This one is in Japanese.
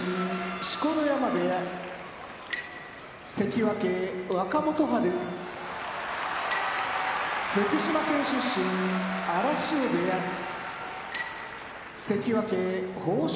錣山部屋関脇・若元春福島県出身荒汐部屋関脇豊昇